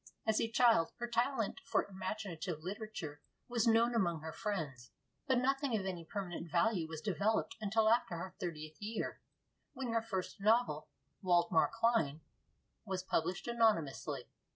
As a child her talent for imaginative literature was known among her friends, but nothing of any permanent value was developed until after her thirtieth year, when her first novel, 'Waldemar Klein,' was published anonymously (1838).